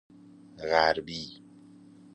غربی